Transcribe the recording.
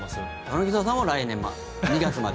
柳澤さんは来年まで。